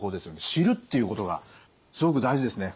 知るっていうことがすごく大事ですね